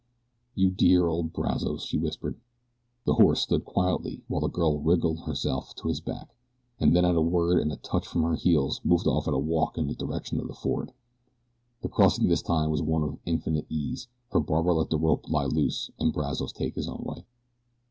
"You dear old Brazos," she whispered. The horse stood quietly while the girl wriggled herself to his back, and then at a word and a touch from her heels moved off at a walk in the direction of the ford. The crossing this time was one of infinite ease, for Barbara let the rope lie loose and Brazos take his own way.